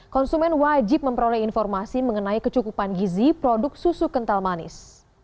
konsumen wajib memperoleh informasi mengenai kecukupan gizi produk susu kental manis